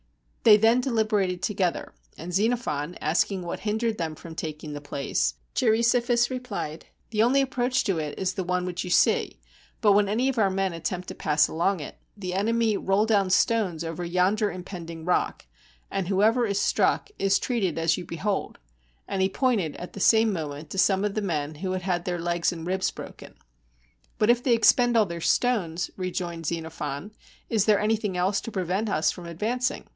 They then dehberated together, and Xenophon asking what hindered them from taking the place, Cheirisophus replied, "The only approach to it is the one which you see; but when any of our men attempt to pass along it, the enemy roll down stones over yonder impending rock, and whoever is struck, is treated as you behold"; and he pointed, at the same moment, to some of the men who had had their legs and ribs broken. "But if they expend all their stones," rejoined Xenophon, "is there anything else to prevent us from advancing?